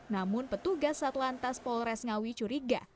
namun petugas satuan tas polres ngawi curiga